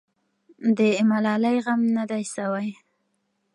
د ملالۍ غم نه دی سوی.